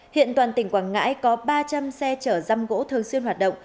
hiện toàn tỉnh quảng ngãi có ba trăm linh xe chở răm gỗ thường xuyên hoạt động